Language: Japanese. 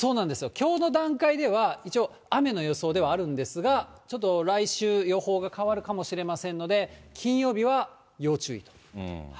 きょうの段階では、一応、雨の予想ではあるんですが、ちょっと来週予報が変わるかもしれませんので、金曜日は要注意と。